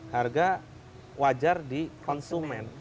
harga wajar di konsumen